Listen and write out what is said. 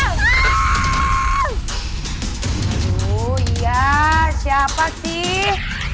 aduh iya siapa sih